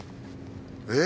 えっ？